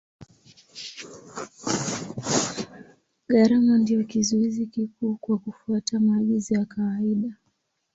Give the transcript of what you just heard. Gharama ndio kizuizi kikuu kwa kufuata maagizo ya madawa.